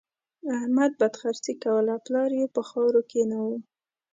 احمد بدخرڅي کوله؛ پلار يې پر خاورو کېناوو.